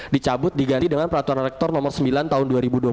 dicabut diganti dengan peraturan rektor nomor sembilan tahun dua ribu dua puluh satu